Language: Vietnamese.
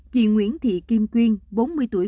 chị nguyễn thị kim quyên bốn mươi tuổi